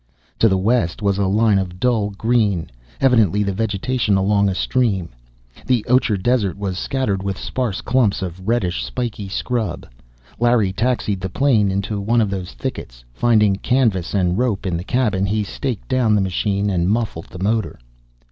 To the "west" was a line of dull green evidently the vegetation along a stream. The ocher desert was scattered with sparse clumps of reddish, spiky scrub. Larry taxied the plane into one of those thickets. Finding canvas and rope in the cabin, he staked down the machine, and muffled the motor.